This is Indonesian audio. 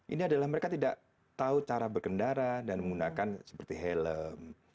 ini adalah mereka tidak tahu cara berkendara dan menggunakan seperti helm